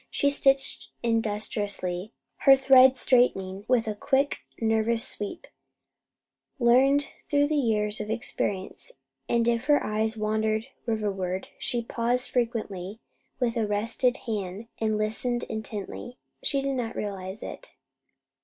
She stitched industriously, her thread straightening with a quick nervous sweep, learned through years of experience; and if her eyes wandered riverward, and if she paused frequently with arrested hand and listened intently, she did not realize it.